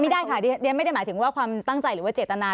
ไม่ได้ค่ะเรียนไม่ได้หมายถึงว่าความตั้งใจหรือว่าเจตนา